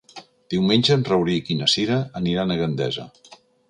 Diumenge en Rauric i na Cira aniran a Gandesa.